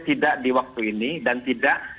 tidak di waktu ini dan tidak